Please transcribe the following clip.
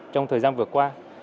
trong thời gian vừa qua